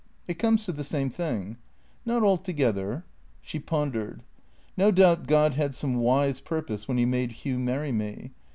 " It comes to the same thing." " Not altogether." She pondered. " No doubt God had some wise purpose when he made Hugh marry me.